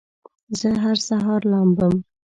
زه هر سهار لامبم